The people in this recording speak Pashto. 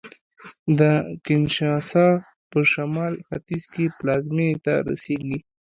د کینشاسا په شمال ختیځ کې پلازمېنې ته رسېږي